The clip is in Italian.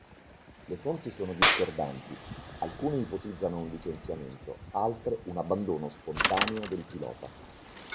Le fonti sono discordanti: alcune ipotizzano un licenziamento, altre un abbandono spontaneo del pilota.